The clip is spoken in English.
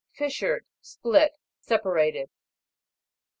FIS'SURED. Split, separated.